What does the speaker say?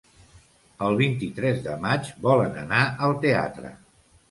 El vint-i-tres de maig volen anar al teatre.